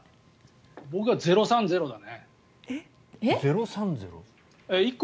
僕は０３０だね。